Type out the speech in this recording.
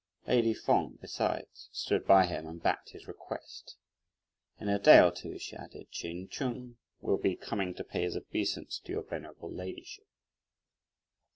Lady Feng besides stood by him and backed his request. "In a day or two," she added, "Ch'in Chung will be coming to pay his obeisance to your venerable ladyship."